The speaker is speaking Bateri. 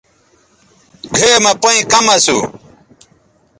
گھئے مہ پئیں کم اسُو۔